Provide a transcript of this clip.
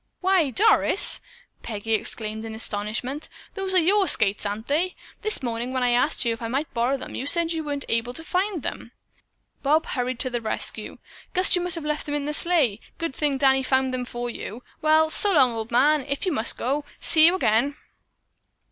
"Why, Doris," Peggy exclaimed in astonishment, "those are your skates, aren't they? This morning when I asked if I might borrow them, you said you weren't able to find them." Bob hurried to the rescue. "Guess you must have left them in the sleigh. Good thing Danny found them for you. Well, so long, old man, if you must go. See you again."